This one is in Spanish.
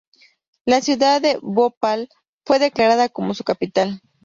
La ciudad de Bhopal fue declarada como su capital.